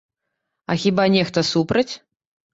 А хіба нехта супраць?